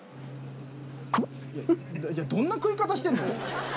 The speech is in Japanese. どんな食い方してんの？